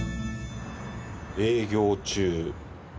「営業中」